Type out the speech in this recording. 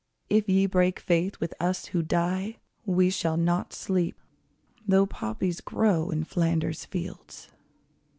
If ye break faith with us who die We shall not sleep, though poppies grow In Flanders fields.